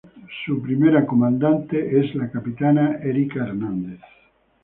Su primera comandante es la capitana Erika Hernández.